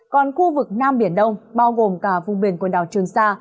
còn khu vực nam biển đông bao gồm cả vùng biển quần đảo trường sa